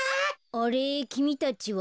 あれきみたちは？